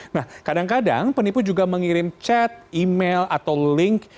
nah kadang kadang penipu juga mengirim chat email atau link